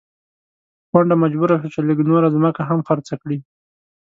کونډه مجبوره شوه چې لږه نوره ځمکه هم خرڅه کړي.